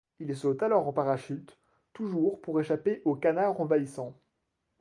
Il saute alors en parachute, toujours pour échapper au canard envahissant.